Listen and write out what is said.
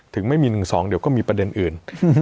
ถึงไม่มี๑๒เดี๋ยวก็มีประเด็นอื่น